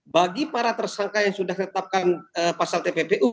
bagi para tersangka yang sudah ditetapkan pasal tppu